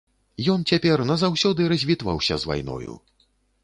Ён цяпер назаўсёды развітваўся з вайною!